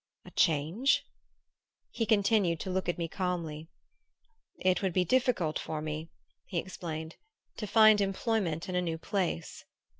"A change?" He continued to look at me calmly. "It would be difficult for me," he explained, "to find employment in a new place."